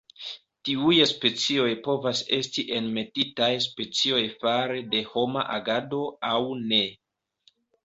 Tiuj specioj povas esti enmetitaj specioj fare de homa agado aŭ ne.